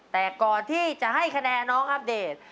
แต่ก่อนที่จะให้คะแนนน้องอัปเดต